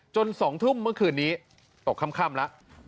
๒ทุ่มเมื่อคืนนี้ตกค่ำแล้ว